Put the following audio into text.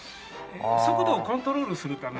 速度をコントロールするための。